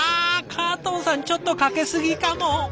カートンさんちょっとかけすぎかも。